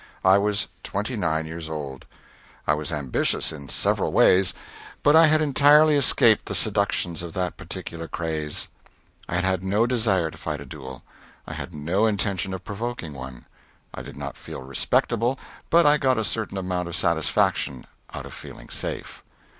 I was twenty nine years old. I was ambitious in several ways, but I had entirely escaped the seductions of that particular craze. I had had no desire to fight a duel; I had no intention of provoking one. I did not feel respectable, but I got a certain amount of satisfaction out of feeling safe.